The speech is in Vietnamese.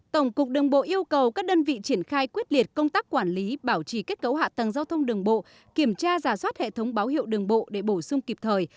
tổng cục đường bộ yêu cầu các đơn vị triển khai quyết liệt công tác quản lý bảo trì kết cấu hạ tầng giao thông đường bộ kiểm tra giả soát hệ thống báo hiệu đường bộ để bổ sung kịp thời